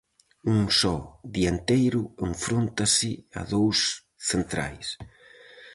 Un só dianteiro enfróntase a dous centrais.